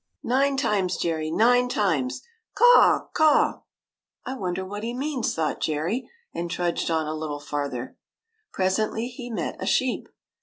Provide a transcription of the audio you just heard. " Nine times, Jerry, nine times ! Caw, caw !"" I wonder what he means," thought Jerry, and trudged on a little farther. Presently he met a sheep.